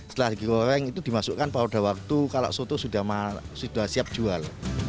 setelah digoreng itu dimasukkan pada waktu kalau soto sudah siap jual